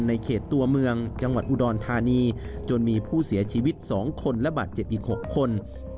ในเขตตัวเมืองจังหวัดอุดรธานีจนมีผู้เสียชีวิต๒คนและบาดเจ็บอีก๖คน